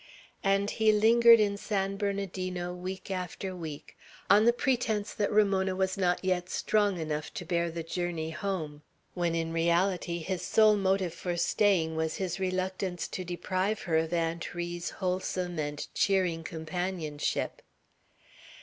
And he lingered in San Bernardino week after week, on the pretence that Ramona was not yet strong enough to bear the journey home, when in reality his sole motive for staying was his reluctance to deprive her of Aunt Ri's wholesome and cheering companionship.